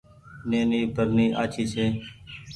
نيني برني آڇي ڇي۔